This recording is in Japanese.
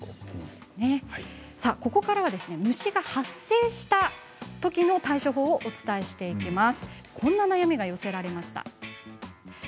ここからは虫が発生したときの対処法をお伝えしていきます。